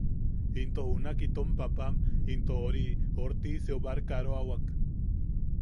Into junak itom paapam into… oriu… Ortiseu barkaroawak.